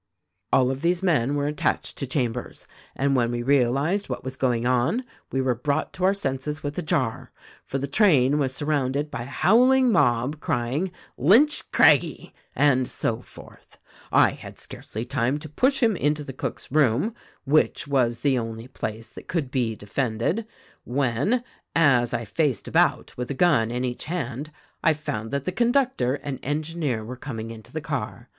"All of these men were attached to Chambers ; and when we realized what was going on we were brought to our senses with a jar, for the train was surrounded by a howl ing mob, crying. 'Lynch Craggie !' and so forth. "I had scarcely time to push him into the cook's room —■ which was the only place that could be defended — when, as 226 THE RECORDING AXGEL I faced about — with a gun in each hand — I found that the conductor and engineer were coming into the car.